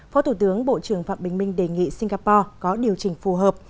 phó thủ tướng bộ trưởng phạm bình minh đề nghị singapore có điều chỉnh phù hợp